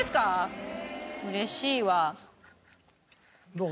どう？